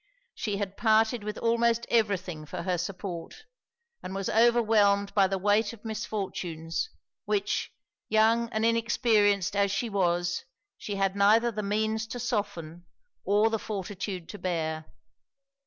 She had parted with almost every thing for her support; and was overwhelmed by the weight of misfortunes, which, young and inexperienced as she was, she had neither the means to soften or the fortitude to bear.